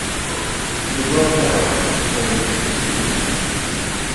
"We broke down," explained Edie.